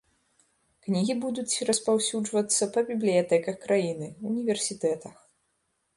Кнігі будуць распаўсюджвацца па бібліятэках краіны, універсітэтах.